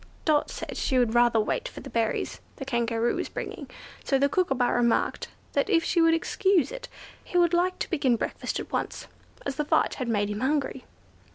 But Dot said she would rather wait for the berries the Kangaroo was bringing, so the Kookooburra remarked that if she would excuse it he would like to begin breakfast at once, as the fight had made him hungry.